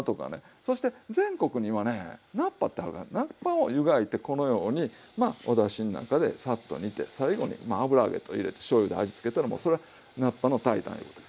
そして全国にはね菜っぱってあるから菜っぱをゆがいてこのようにまあおだしなんかでサッと煮て最後にまあ油揚げと入れてしょうゆで味つけたらもうそれは菜っぱの炊いたんいうことや。